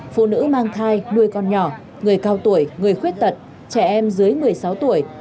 phụ nữ mang thai nuôi con nhỏ người cao tuổi người khuyết tật trẻ em dưới một mươi sáu tuổi